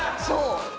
そう！